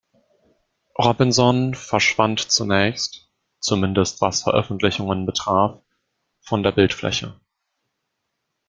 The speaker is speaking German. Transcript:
Robinson verschwand zunächst, zumindest was Veröffentlichungen betraf, von der Bildfläche.